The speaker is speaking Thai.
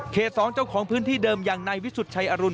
๒เจ้าของพื้นที่เดิมอย่างนายวิสุทธิชัยอรุณ